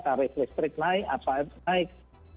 tarif listrik naik apa naik